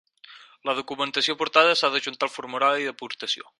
La documentació aportada s'ha d'adjuntar al formulari d'aportació.